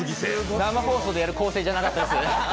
生放送でやる構成じゃなかったです。